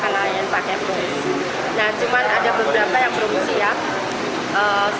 nah cuman ada beberapa yang belum siap